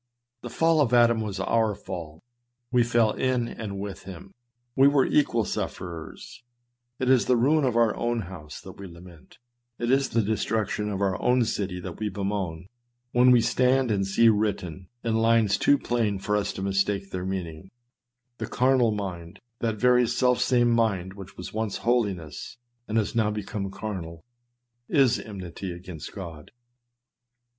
The fall of Adam was our fall ; we fell in and with him ; we were equal suf ferers ; it is the ruin of our own house that we lament, it is the destruction of our own city that we bemoan, when we stand and see written, in lines too plain for us to mistake their meaning, " The carnal mind " — that very selfsame mind which was once holiness, and has now become carnal — " is enmity against God."